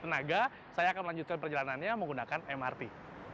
dengan hemat tenaga saya akan melanjutkan perjalanannya menggunakan mrt